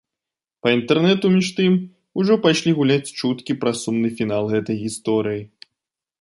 Па інтэрнэту, між тым, ужо пайшлі гуляць чуткі пра сумны фінал гэтай гісторыі.